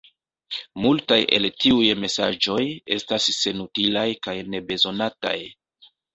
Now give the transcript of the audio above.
Multaj el tiuj mesaĝoj estas senutilaj kaj nebezonataj.